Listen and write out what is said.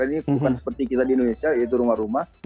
ini bukan seperti kita di indonesia yaitu rumah rumah